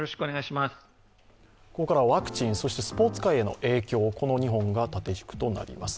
ここからはワクチン、そしてスポーツ界への影響です。